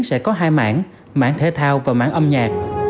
sẽ có hai mảng mảng thể thao và mảng âm nhạc